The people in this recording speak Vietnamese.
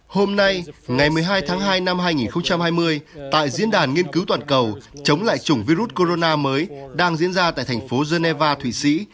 hôm nay ngày một mươi hai tháng hai năm hai nghìn hai mươi tại diễn đàn nghiên cứu toàn cầu chống lại chủng virus corona mới đang diễn ra tại thành phố geneva thụy sĩ